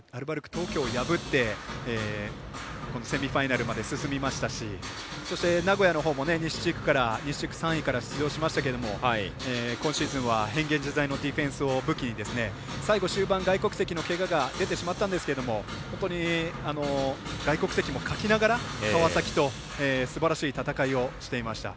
東京を破ってこのセミファイナルまで進みましたし名古屋のほうも西地区３位から出場しましたが今シーズンは変幻自在のディフェンスを武器に最後、終盤、外国籍のけがが出てしまったんですけど本当に外国籍も欠きながら川崎とすばらしい戦いをしていました。